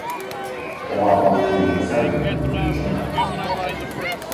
我阿伯住喺西營盤薈臻